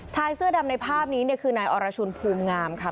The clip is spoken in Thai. ชายเสื้อดำในภาพนี้เนี่ยคือนายอรชุนภูมิงามค่ะ